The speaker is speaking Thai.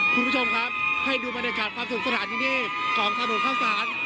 คุณผู้ชมครับให้ดูบรรยากาศความสนุกสนานที่นี่ของถนนข้าวสาร